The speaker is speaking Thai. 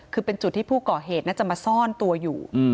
คือเป็นจุดที่ผู้ก่อเหตุน่าจะมาซ่อนตัวอยู่